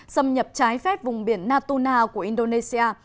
xâm nhập trái phép vùng biển natuna của indonesia